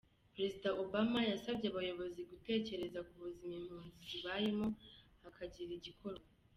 Perezida Obama yasabye abayobozi gutekereza ku buzima impunzi zibayemo hakagira igikorwa.